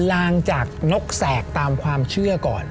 ลางจากนกแสกตามความเชื่อก่อน